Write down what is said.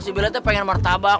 si bella tuh pengen martabak